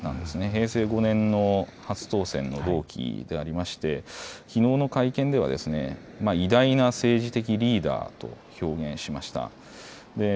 平成５年の初当選の同期でありまして、きのうの会見では偉大な政治的リーダーと表現しました。